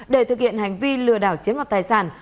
để thực hiện hành vi lừa đảo chiếm mặt tài sản